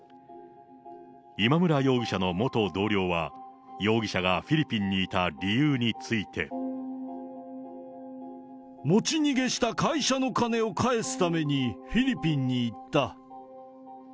今村容疑者の元同僚は、容疑者がフィリピンにいた理由について。持ち逃げした会社の金を返すために、フィリピンに行った。